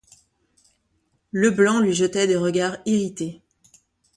Leblanc lui jetait des regards irrités.